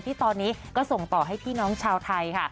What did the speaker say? ที่ตอนนี้ก็ส่งต่อให้พี่น้องชาวไทยค่ะ